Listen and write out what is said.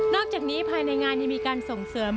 อกจากนี้ภายในงานยังมีการส่งเสริม